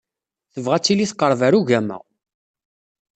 Tebɣa ad tili teqreb ɣer ugama.